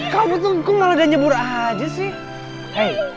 kamu tuh kok gak ada nyebur aja sih